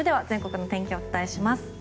全国のお天気をお伝えします。